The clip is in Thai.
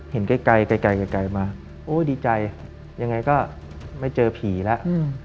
เห็นไกลมาโอ้ดีใจยังไงก็ไม่เจอผีแล้ว